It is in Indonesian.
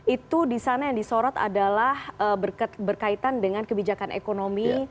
itu di sana yang disorot adalah berkaitan dengan kebijakan ekonomi